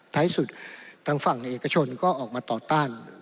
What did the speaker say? ท้ายสุดทางฝั่งในเอกชนก็ออกมาต่อต้าน